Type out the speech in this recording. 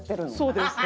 そうです。